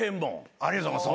ありがとうございます。